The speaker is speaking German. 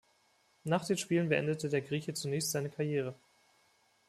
Nach den Spielen beendete der Grieche zunächst seine Karriere.